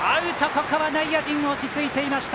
ここは内野陣落ち着いていました。